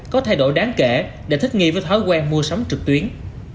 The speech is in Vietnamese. có thay đổi đáng kể để thích nghi với thói quen mua sắm trực tuyến